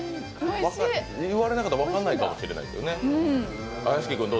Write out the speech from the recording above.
言われなかったら分からないかもしれないですね。